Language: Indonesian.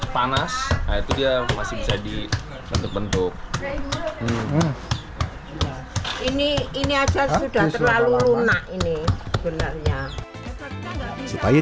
panas itu dia masih bisa dibentuk bentuk ini ini aja sudah terlalu lunak ini benarnya supaya